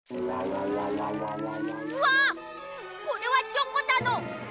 うわっこれはチョコタの！